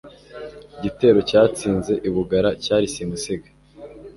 Igitero cyatsinze u Bugara cyari simusiga